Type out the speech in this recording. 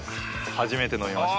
初めて飲みました。